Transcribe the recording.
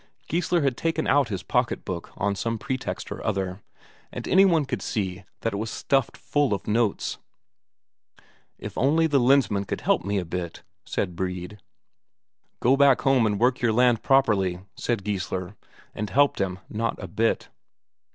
Geissler had taken out his pocket book on some pretext or other, and any one could see that it was stuffed full of notes. "If only Lensmand could help me a bit," said Brede. "Go back home and work your land properly," said Geissler, and helped him not a bit.